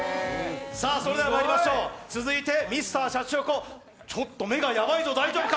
それではまいりましょう、続いてＭｒ．シャチホコ、ちょっと目がやばいぞ大丈夫か？